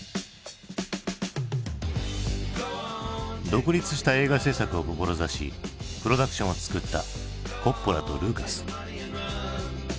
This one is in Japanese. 独立した映画製作を志しプロダクションを作ったコッポラとルーカス。